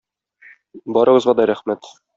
Барыгызга да рәхмәт!